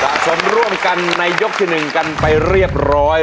สมร่วมกันในยกที่๑กันไปเรียบร้อย